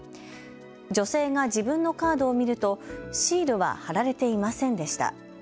女性が自分のカードを見るとシールは貼られていませんでした。